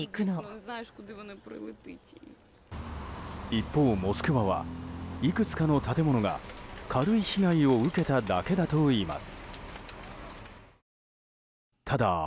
一方、モスクワはいくつかの建物が軽い被害を受けただけだといいます。